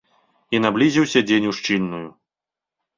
І наблізіўся дзень ушчыльную.